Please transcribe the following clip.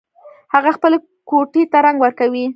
هغه خپلې کوټۍ ته رنګ ورکوي